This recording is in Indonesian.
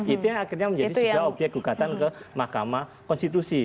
itu yang akhirnya menjadi sebuah obyek gugatan ke mahkamah konstitusi